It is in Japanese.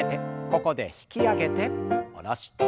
ここで引き上げて下ろして。